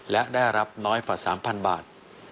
และได้รับน้อยฝาด๓๐๐๐บาท